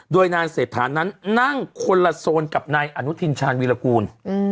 โดยนายเศรษฐานั้นนั่งคนละโซนกับนายอนุทินชาญวีรกูล